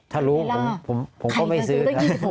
ถ้ารู้ผมเขาไปซื้อ